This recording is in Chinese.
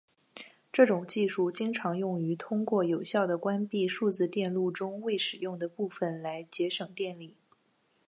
这种技术经常用于通过有效地关闭数字电路中未使用的部分来节省电力。